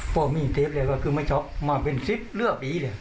พอมีเทศเลยก็คือไม่ชอบมาเป็นสิทธิ์เลือดปีเนี่ย